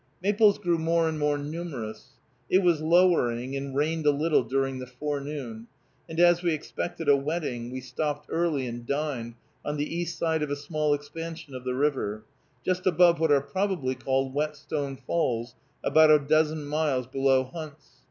Maples grew more and more numerous. It was lowering, and rained a little during the forenoon, and, as we expected a wetting, we stopped early and dined on the east side of a small expansion of the river, just above what are probably called Whetstone Falls, about a dozen miles below Hunt's.